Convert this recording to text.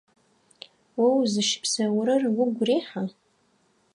О узыщыпсэурэр угу рехьа?